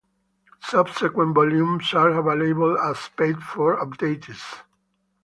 Subsequent volumes are available as paid-for updates.